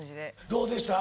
どうでした？